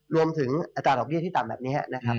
อัตราดอกเบี้ยที่ต่ำแบบนี้นะครับ